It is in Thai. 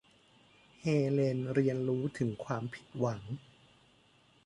เฮเลนเรียนรู้ถึงความผิดหวัง